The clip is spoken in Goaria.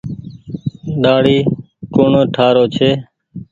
ڏآڙي ڪوڻ ٺآ رو ڇي۔